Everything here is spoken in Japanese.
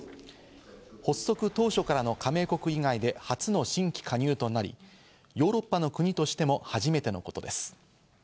発足当初からの加盟国以外で初の新規加入となり、ヨーロッパの国としても初めてのことです。